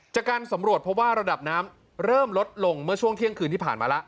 จากการสำรวจเพราะว่าระดับน้ำเริ่มลดลงเมื่อช่วงเที่ยงคืนที่ผ่านมาแล้ว